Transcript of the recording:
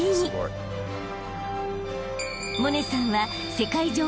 ［百音さんは］